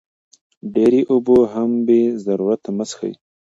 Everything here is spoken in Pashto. ډېرې اوبه هم بې ضرورته مه څښئ.